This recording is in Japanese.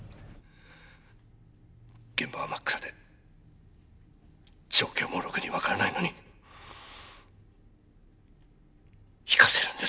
現場は真っ暗で状況もろくに分からないのに行かせるんですね。